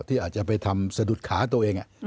ที่อาจจะไปทำสะดุดขาตัวเอง